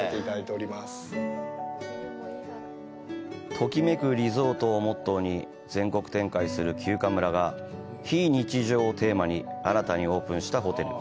ときめくリゾートをモットーに全国展開する休暇村が「非日常」をテーマに新たにオープンしたホテル。